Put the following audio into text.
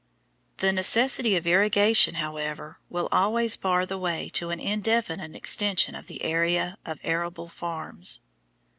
The necessity for irrigation, however, will always bar the way to an indefinite extension of the area of arable farms.